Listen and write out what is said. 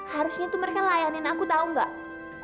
harusnya tuh mereka layanin aku tau gak